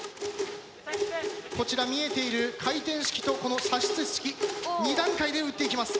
こちら見えている回転式とこの射出式２段階で打っていきます。